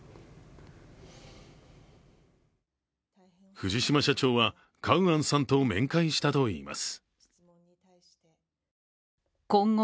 藤島社長はカウアンさんと面会したといいます。